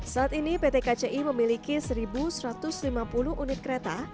saat ini pt kci memiliki satu satu ratus lima puluh unit kereta